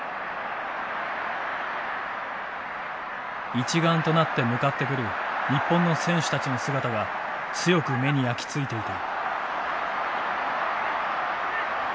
一丸となって向かってくる日本の選手たちの姿が強く目に焼き付いていた。